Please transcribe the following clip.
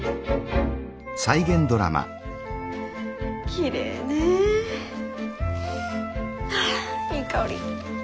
きれいね！はいい香り。